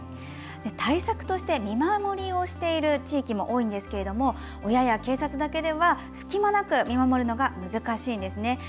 対策として見守りをしている地域も多いんですが親や警察だけでは隙間なく見守るのが難しいんですね。